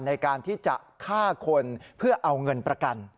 ในการที่จะฆ่าคนเพื่อเอาเงินประกัน